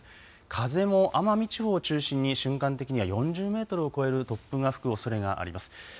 風も奄美地方を中心に瞬間的には４０メートルを超える突風が吹くおそれがあります。